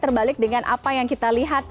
terbalik dengan apa yang kita lihat